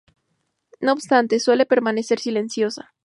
No obstante, suele permanecer silenciosa.